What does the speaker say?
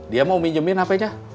dia mau minjemin apa